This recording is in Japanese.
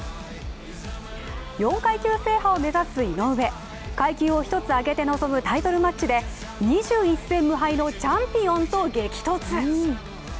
４階級制覇を目指す井上、階級を一つあげて臨むタイトルマッチで、２１戦無敗のチャンピオンと激突。